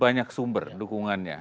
banyak sumber dukungannya